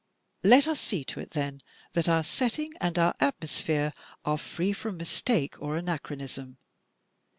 Let us see to it, then, that our setting and our atmosphere are free from mistake or anachronism.